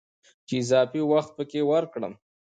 چې اضافي وضاحت پکې ورکړم